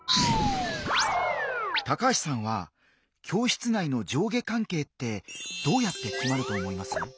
高橋さんは教室内の上下関係ってどうやって決まると思います？